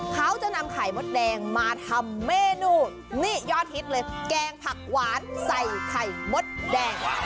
เขาจะนำไข่มดแดงมาทำเมนูนี่ยอดฮิตเลยแกงผักหวานใส่ไข่มดแดง